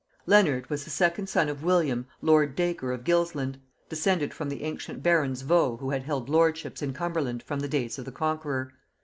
Leonard was the second son of William lord Dacre of Gilsland, descended from the ancient barons Vaux who had held lordships in Cumberland from the days of the Conqueror.